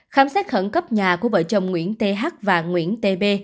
khám xét khẩn cấp nhà của vợ chồng nguyễn th và nguyễn tb